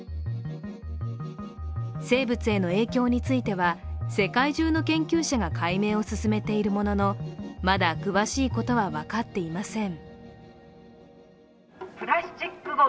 生物への影響については世界中の研究者が魁明を進めているもののまだ詳しいことは分かっていません。